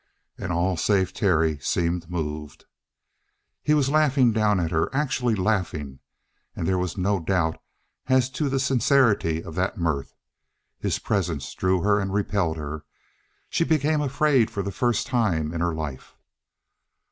And all save Terry seemed moved. He was laughing down at her actually laughing, and there was no doubt as to the sincerity of that mirth. His presence drew her and repelled her; she became afraid for the first time in her life.